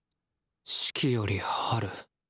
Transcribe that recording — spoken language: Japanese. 「四季」より「春」